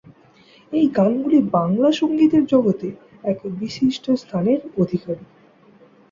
এই গানগুলি বাংলা সংগীতের জগতে এক বিশিষ্ট স্থানের অধিকারী।